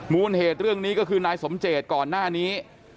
มูลเหตุเรื่องนี้ก็คือนายสมเจตก่อนหน้านี้